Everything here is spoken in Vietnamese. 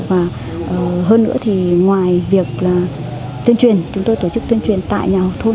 và hơn nữa thì ngoài việc là tuyên truyền chúng tôi tổ chức tuyên truyền tại nhà thôn